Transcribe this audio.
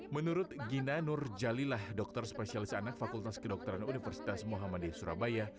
menurut gina nur jalilah dokter spesialis anak fakultas kedokteran universitas muhammadiyah surabaya